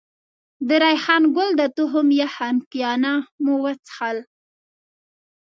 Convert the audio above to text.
د ریحان ګل د تخم یخ خنکيانه مو وڅښل.